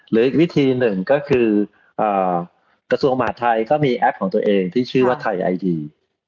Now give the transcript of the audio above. หรืออีกวิธีหนึ่งก็คือกระทรวงมหาทัยก็มีแอปของตัวเองที่ชื่อว่าไทยไอดี